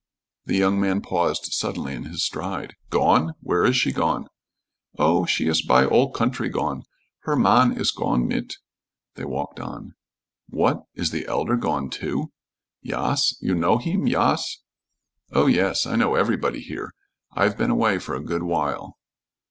The young man paused suddenly in his stride. "Gone? Where is she gone?" "Oh, she iss by ol' country gone. Her man iss gone mit." They walked on. "What! Is the Elder gone, too?" "Yas. You know heem, yas?" "Oh, yes. I know everybody here. I've been away for a good while."